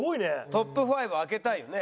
トップ５開けたいよね。